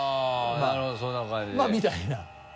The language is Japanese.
まぁみたいな。